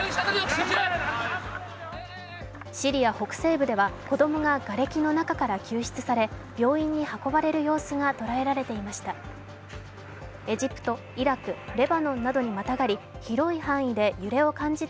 シリア北西部では、子供ががれきの中から救出され病院に運ばれる様子が捉えられていました。